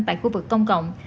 tại khu vực công cộng